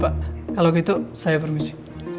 saya pun berharap demikian pak kalau gitu saya permisi